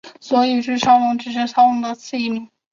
所以巨超龙只是超龙的次异名。